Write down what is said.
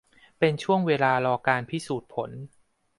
เป็นช่วงเวลารอการพิสูจน์ผล